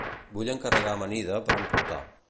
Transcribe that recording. Vull encarregar amanida per emportar.